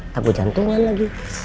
ntar gue jantungan lagi